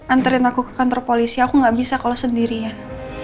anterin aku ke kantor polisi aku nggak bisa kalau sendirian